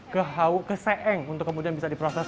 ke hau ke seeng untuk kemudian bisa diproses